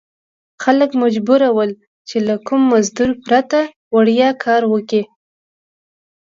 خلک مجبور ول چې له کوم مزد پرته وړیا کار وکړي.